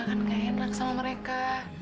kan gak enak sama mereka